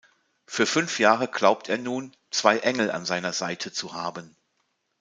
Für fünf Jahre glaubt er nun, zwei Engel an seiner Seite zu haben.